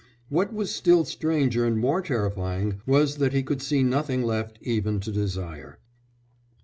What was still stranger and more terrifying was that he could see nothing left even to desire.